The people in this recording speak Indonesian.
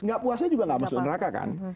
enggak puasanya juga enggak masuk neraka kan